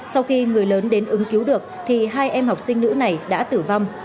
sau khi người lớn đến ứng cứu được thì hai em học sinh nữ này đã tử vong